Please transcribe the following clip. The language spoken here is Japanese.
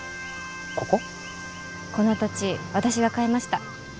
この土地私が買いました。